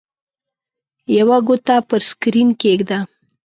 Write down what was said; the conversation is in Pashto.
یوه ګوته پر سکرین کېږده.